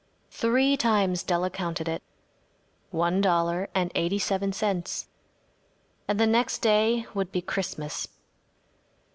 Three times Della counted it. One dollar and eighty seven cents. And the next day would be Christmas.